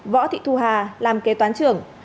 võ thị thu hà làm kế toán trưởng